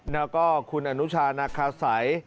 แล้วก็คุณอนุชานาคาสัย